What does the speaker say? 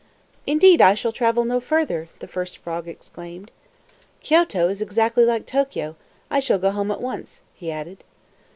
"Indeed, I shall travel no further!" the first frog exclaimed. "Kioto is exactly like Tokio. I shall go home at once," he added.